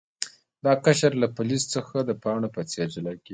دا قشر له فلز څخه د پاڼو په څیر جلا کیږي.